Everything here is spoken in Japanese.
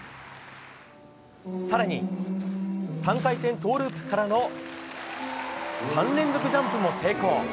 更に、３回転トウループからの３連続ジャンプも成功。